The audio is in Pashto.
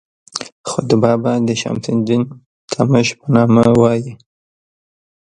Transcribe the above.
خطبه به د شمس الدین التمش په نامه وایي.